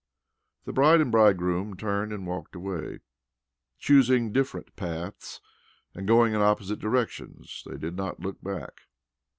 The bride and bridegroom turned and walked away, choosing different paths and going in opposite directions. They did not look back.